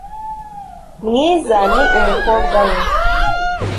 mwiza ni umukobwa we